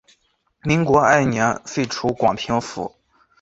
民国二年废除广平府。